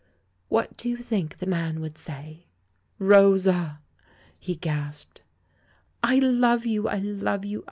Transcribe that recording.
— what do you think the man would say?" "Rosa!" he gasped. "I love you! I love you!